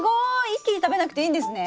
一気に食べなくていいんですね！